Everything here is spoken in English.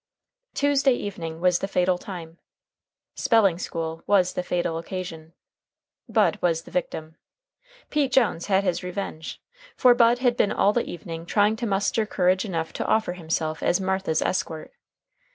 Tuesday evening was the fatal time. Spelling school was the fatal occasion. Bud was the victim. Pete Jones had his revenge. For Bud had been all the evening trying to muster courage enough to offer himself as Martha's escort.